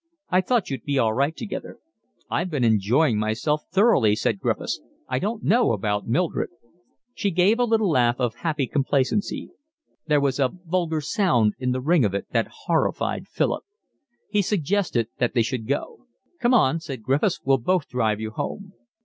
I thought you'd be all right together." "I've been enjoying myself thoroughly," said Griffiths. "I don't know about Mildred." She gave a little laugh of happy complacency. There was a vulgar sound in the ring of it that horrified Philip. He suggested that they should go. "Come on," said Griffiths, "we'll both drive you home."